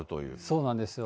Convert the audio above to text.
そうなんですよ。